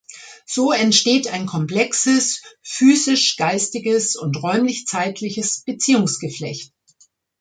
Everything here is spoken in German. So entsteht ein komplexes physisch-geistiges und räumlich- zeitliches Beziehungsgeflecht.